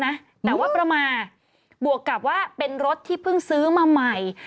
แต่ว่าประมาณบวกกับว่าเป็นรถที่เพิ่งซื้อมาใหม่